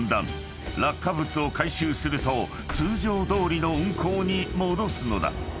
［落下物を回収すると通常どおりの運行に戻すのだ］